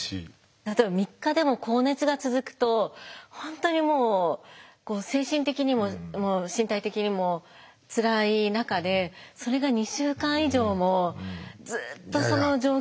例えば３日でも高熱が続くと本当にもう精神的にも身体的にもつらい中でそれが２週間以上もずっとその状況